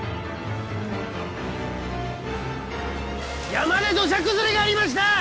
山で土砂崩れがありました！